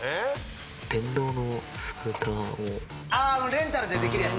レンタルできるやつ。